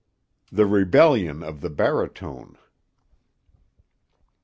THE REBELLION OF THE BARITONE.